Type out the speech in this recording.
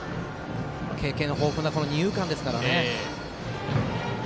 経験豊富な二遊間ですからね。